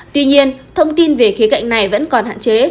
tuy nhiên thông tin về khía cạnh này vẫn còn hạn chế